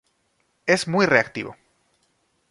Es muy reactivo.